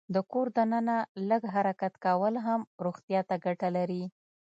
د کور دننه لږ حرکت کول هم روغتیا ته ګټه لري.